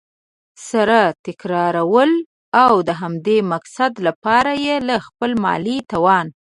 سره تكراروله؛ او د همدې مقصد له پاره یي له خپل مالي توان